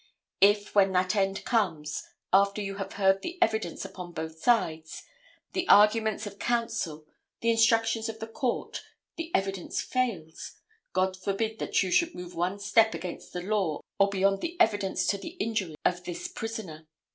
If, when that end comes, after you have heard the evidence upon both sides, the arguments of counsel, the instructions of the Court, the evidence fails, God forbid that you should move one step against the law or beyond the evidence to the injury of this prisoner.